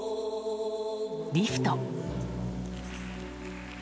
リフト。